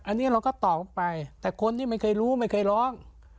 อันนี้เราก็ตอบไปแต่คนที่ไม่เคยรู้ไม่เคยร้อง